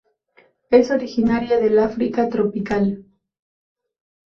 Es originaria del África tropical.